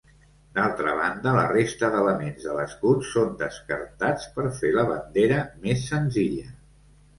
D'altra banda, la resta d'elements de l'escut són descartats per fer la bandera més senzilla.